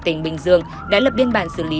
tỉnh bình dương đã lập biên bản xử lý